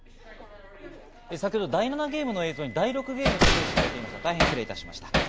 第７ゲームの映像に第６ゲームと表記されていました、失礼しました。